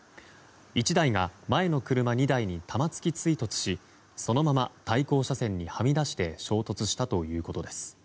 １台が前の車２台に玉突き追突しそのまま対向車線にはみ出して衝突したということです。